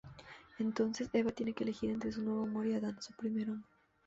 Entonces, Eva tiene que elegir entre su nuevo amor y Adán, su primer hombre.